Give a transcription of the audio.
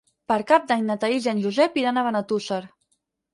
Per Cap d'Any na Thaís i en Josep iran a Benetússer.